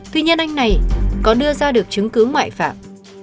tuy nhiên anh này có đưa ra được chứng cứ ngoại phạm